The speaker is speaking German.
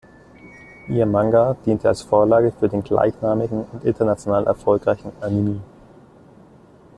Ihr Manga diente als Vorlage für den gleichnamigen und international erfolgreichen Anime.